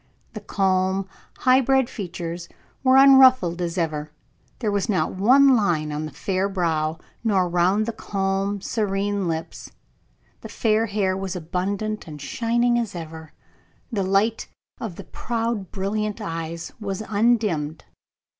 The calm, high bred features were unruffled as ever; there was not one line on the fair brow, nor round the calm, serene lips; the fair hair was abundant and shining as ever; the light of the proud, brilliant eyes was undimmed.